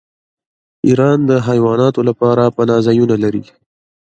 ایران د حیواناتو لپاره پناه ځایونه لري.